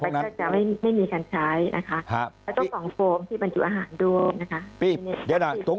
ก็ต้องฝังโปรมที่เป็นอาหารดวง